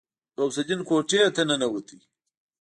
غوث الدين کوټې ته ننوت.